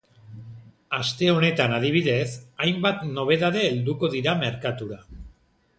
Aste honetan adibidez, hainbat nobedade helduko dira merkatura.